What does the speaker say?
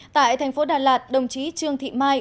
tại thành phố đà lạt đồng chí trương thị mai